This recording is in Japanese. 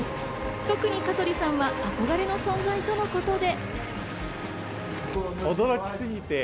特に香取さんは憧れの存在とのことで。